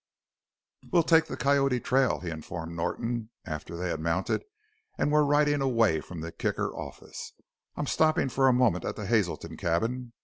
"We'll take the Coyote trail," he informed Norton, after they had mounted and were riding away from the Kicker office; "I'm stopping for a moment at the Hazelton cabin.